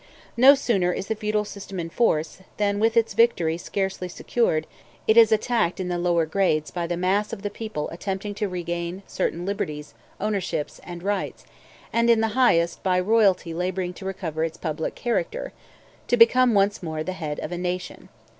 No sooner is the feudal system in force, than, with its victory scarcely secured, it is attacked in the lower grades by the mass of the people attempting to regain certain liberties, ownerships, and rights, and in the highest by royalty laboring to recover its public character, to become once more the head of a nation.